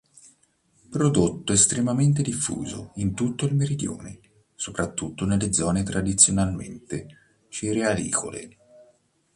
Prodotto estremamente diffuso in tutto il meridione, soprattutto nelle zone tradizionalmente cerealicole.